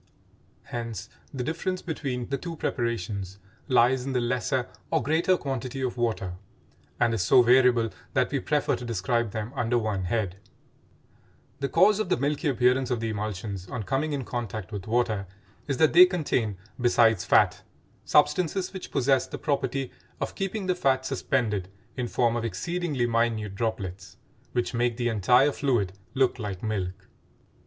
Hence the difference between the two preparations lies in the lesser or greater quantity of water, and is so variable that we prefer to describe them under one head. The cause of the milky appearance of the emulsions on coming in contact with water is that they contain, besides fat, substances which possess the property of keeping the fat suspended in form of exceedingly minute droplets which make the entire fluid look like milk.